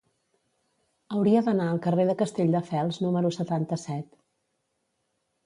Hauria d'anar al carrer de Castelldefels número setanta-set.